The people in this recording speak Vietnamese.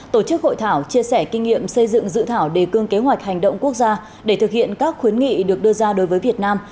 tổ chức hội thảo chia sẻ kinh nghiệm xây dựng dự thảo đề cương kế hoạch hành động quốc gia để thực hiện các khuyến nghị được đưa ra đối với việt nam